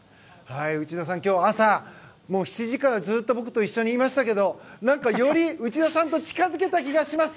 今日は朝７時からずっと僕と一緒にいましたがより内田さんと近づけた気がします。